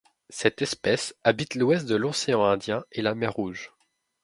Cette espèce habite l'ouest de l'océan Indien et la mer Rouge.